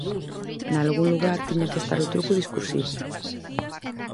Nalgún lugar tiña que estar o truco discursivo.